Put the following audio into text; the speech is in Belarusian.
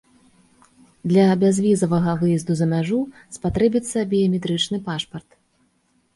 Для бязвізавага выезду за мяжу спатрэбіцца біяметрычны пашпарт.